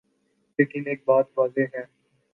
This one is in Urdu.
لیکن ایک بات واضح ہے۔